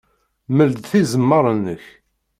Mel-d tizemmar-nnek.